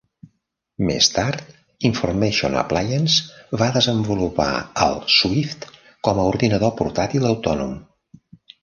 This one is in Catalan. Més tard, Information Appliance va desenvolupar el Swyft com a ordinador portàtil autònom.